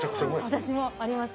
私もあります